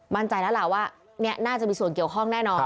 มั่นใจแล้วล่ะว่าน่าจะมีส่วนเกี่ยวข้องแน่นอน